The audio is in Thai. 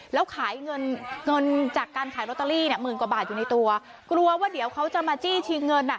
แล้วขายเงินเงินจากการขายโรตเตอรี่เนี่ยหมื่นกว่าบาทอยู่ในตัวกลัวว่าเดี๋ยวเขาจะมาจี้ชิงเงินอ่ะ